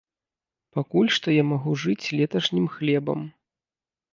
Пакуль што я магу жыць леташнім хлебам.